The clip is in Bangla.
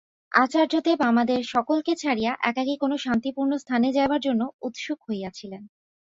আচার্যদেব আমাদের সকলকে ছাড়িয়া একাকী কোন শান্তিপূর্ণ স্থানে যাইবার জন্য উৎসুক হইয়াছিলেন।